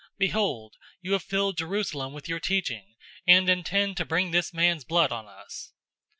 Behold, you have filled Jerusalem with your teaching, and intend to bring this man's blood on us."